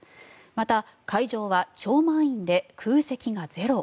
また、会場は超満員で空席がゼロ。